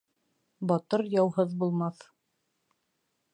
Батыр яуһыҙ булмаҫ.